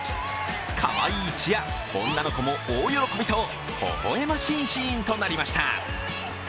かわいいチア、女の子も大喜びとほほ笑ましいシーンとなりました。